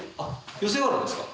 寄席があるんですか？